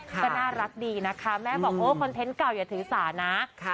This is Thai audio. ก็น่ารักดีนะคะแม่บอกโอ้คอนเทนต์เก่าอย่าถือสานะ